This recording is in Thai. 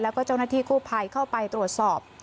แล้วก็เจ้าหน้าที่กู้ภัยเข้าไปตรวจสอบ